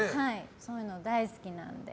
そういうの大好きなので。